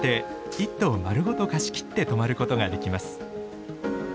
１棟丸ごと貸し切って泊まることができます。